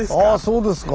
そうですか。